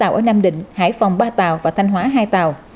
tàu ở nam định hải phòng ba tàu và thanh hóa hai tàu